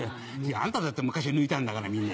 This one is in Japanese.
あんただって昔は抜いたんだからみんな。